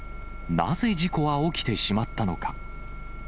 なぜ事故は起きてしまったのか。